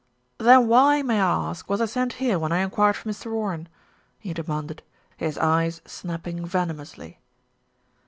"Then why, may I ask, was I sent here when I enquired for Mr. Warren?" he demanded, his eyes snapping venomously.